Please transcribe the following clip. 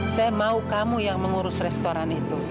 saya mau kamu yang mengurus restoran itu